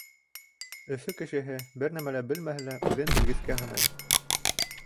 Өфө кешеһе, бер нимә лә белмәһә лә, үҙен белгескә һанай.